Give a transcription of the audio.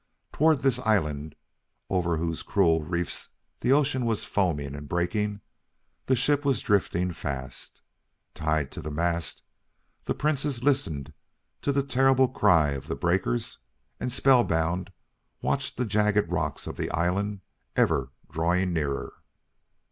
Toward this island, over whose cruel reefs the ocean was foaming and breaking, the ship was drifting fast. Tied to the mast, the Princess listened to the terrible cry of the breakers, and, spell bound, watched the jagged rocks of the island ever drawing nearer.